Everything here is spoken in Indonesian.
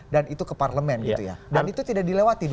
dan itu ke parlemen dan itu tidak dilewati